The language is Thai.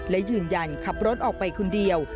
และยืนยันขับรถออกไปคนเดียว